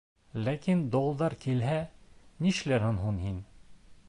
Ләкин долдар килһә, нишләрһең һуң һин?